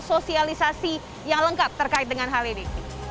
sosialisasi yang lengkap terkait dengan hal ini